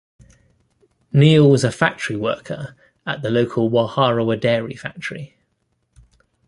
Neil was a factory worker at the local Waharoa dairy factory.